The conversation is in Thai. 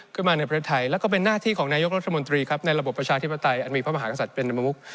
ขึ้นมาในประเทศไทยและเป็นหน้าที่ของนายกรัฐมนตรีในระบบประชาธิปไตยอัตมีพระมหากศัตริย์เป็นประมุก